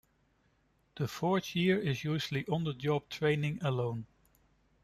The fourth year is usually on the job training alone.